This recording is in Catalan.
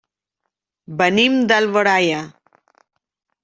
Venim d'Alboraia.